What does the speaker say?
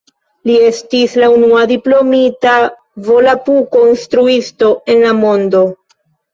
Li estis la unua diplomita volapuko-instruisto en la mondo.